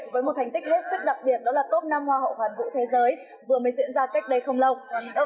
với một thành tích hết sức đặc biệt đó là top năm hoa hậu hoàn vũ thế giới vừa mới diễn ra cách đây không lâu